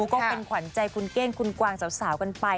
ก็เป็นขวัญใจคุณเก้งคุณกวางสาวกันไป